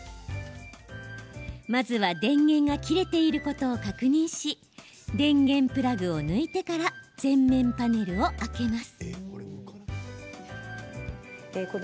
まずは電源が切れていることを確認し、電源プラグを抜いてから前面パネルを開けます。